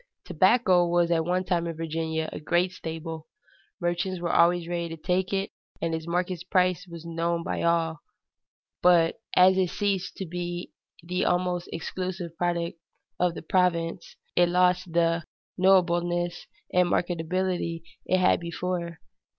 Tobacco was at one time in Virginia a great staple. Merchants were always ready to take it, and its market price was known by all; but as it ceased to be the almost exclusive product of the province, it lost the knowableness and marketability it had before.